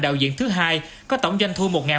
đạo diễn thứ hai có tổng doanh thu